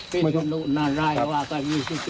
เดี๋ยวมันลุก